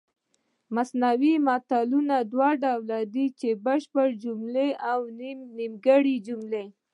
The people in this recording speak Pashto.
منثور متلونه دوه ډوله دي بشپړه جمله او نیمګړې جمله